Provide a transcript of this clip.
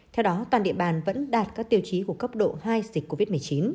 theo đó toàn địa bàn vẫn đạt các tiêu chí của cấp độ hai dịch covid một mươi chín